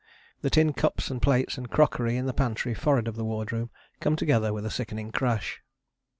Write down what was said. The tin cups and plates and crockery in the pantry forrard of the wardroom come together with a sickening crash.